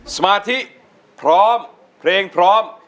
สมาธิพร้อมเพลงพร้อม